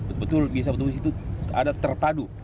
betul betul bisa betul betul itu ada terpadu